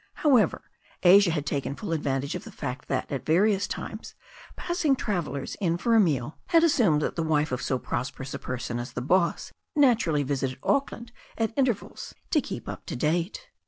However, Asia had taken full advants^ge of the fact that, at various times, passing travellers in for a meal had assumed that the wife of so prosperous a person as the boss naturally visited Auckland at intervals to keep up to date.